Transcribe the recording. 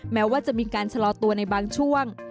แม้ว่าจะมีการชะลอตัวในบางช่วง